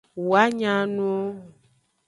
Woa nya nu.